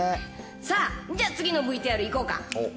さあ、じゃあ次のＶＴＲいこうか。